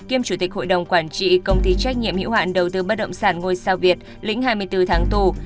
kiêm chủ tịch hội đồng quản trị công ty trách nhiệm hiệu hạn đầu tư bất động sản ngôi sao việt lĩnh hai mươi bốn tháng tù